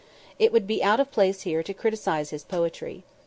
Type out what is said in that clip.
It would be out of place here to criticise his poetry.